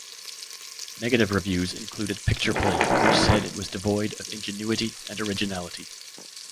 Negative reviews included "Picture Play", which said it was devoid of "ingenuity and originality.